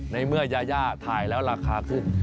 ในเมื่อยาย่าถ่ายแล้วราคาขึ้น